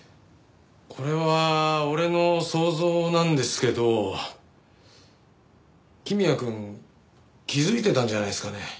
これは俺の想像なんですけど公也くん気づいてたんじゃないですかね？